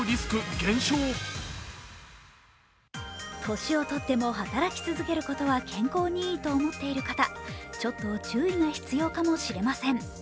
年をとっても働き続けることは健康にいいと思っている方、ちょっと注意が必要かもしれません。